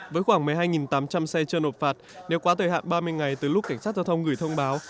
với khoảng một mươi hai tám trăm linh xe chưa nộp phạt nếu quá thời hạn ba mươi ngày từ lúc cảnh sát giao thông gửi thông báo